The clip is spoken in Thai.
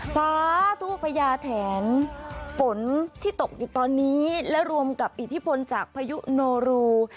สาธุพญาแทนฝนที่ตกอยู่ตอนนี้และรวมกับอิทธิพลจากพายุโนรู